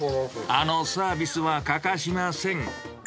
あのサービスは欠かしません。